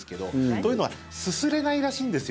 というのはすすれないらしいんですよ